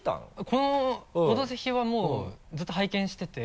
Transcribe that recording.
この「オドぜひ」はもうずっと拝見してて。